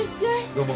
どうも。